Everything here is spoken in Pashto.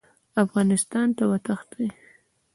افغانستان ته وتښتي.